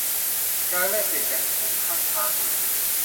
การแลกเปลี่ยนยังคงคั่งค้างอยู่